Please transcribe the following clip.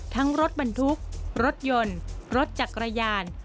ทั้งรถบรรทุกรถยนต์รถจักรยาน